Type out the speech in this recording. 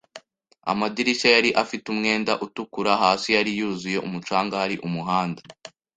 amadirishya yari afite umwenda utukura; hasi yari yuzuye umucanga. Hari umuhanda